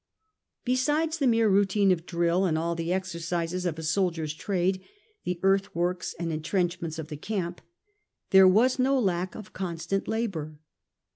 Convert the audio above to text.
Besides the mere routine of drill, and all the exer cises of a soldier's trade, the earthworks and intrench ments of the camp, there was no lack of constant labour.